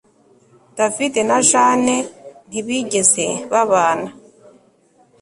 David na Jane ntibigeze babana